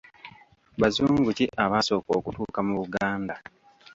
Bazungu ki abaasooka okutuuka mu Buganda?